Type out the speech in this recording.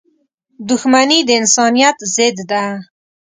• دښمني د انسانیت ضد ده.